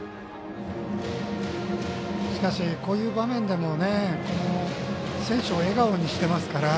こういう場面でも選手を笑顔にしてますから。